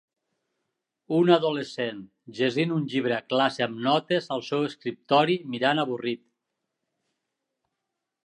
Un adolescent llegint un llibre a classe amb notes al seu escriptori mirant avorrit